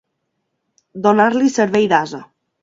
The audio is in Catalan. Donar-li cervell d'ase.